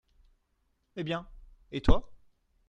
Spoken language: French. Eh bien ! et toi ?